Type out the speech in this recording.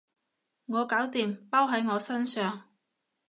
我搞掂，包喺我身上